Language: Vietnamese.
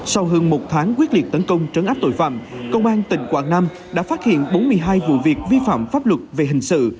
sau hơn một tháng quyết liệt tấn công trấn áp tội phạm công an tỉnh quảng nam đã phát hiện bốn mươi hai vụ việc vi phạm pháp luật về hình sự